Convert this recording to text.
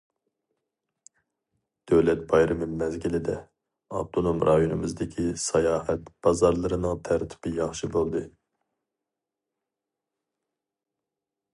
دۆلەت بايرىمى مەزگىلىدە، ئاپتونوم رايونىمىزدىكى ساياھەت بازارلىرىنىڭ تەرتىپى ياخشى بولدى.